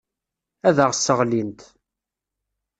Ad aɣ-sseɣlint.